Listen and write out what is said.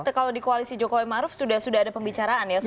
tapi kalau di koalisi jokowi maruf sudah ada pembicaraan ya